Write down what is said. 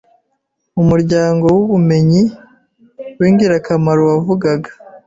umuryango w’ubumenyi w’ingirakamaro wavugaga